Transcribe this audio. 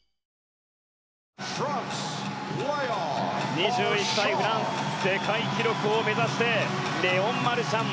２１歳、フランス世界記録を目指してレオン・マルシャン。